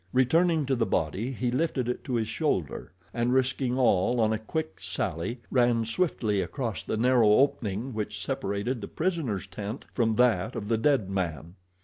Returning to the body, he lifted it to his shoulder, and risking all on a quick sally, ran swiftly across the narrow opening which separated the prisoner's tent from that of the dead man.